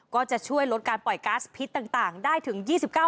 ก็จะช่วยลดการปล่อยก๊าซพิษต่างได้ถึง๒๙